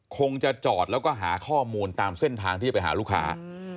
คงจะจอดแล้วก็หาข้อมูลตามเส้นทางที่จะไปหาลูกค้า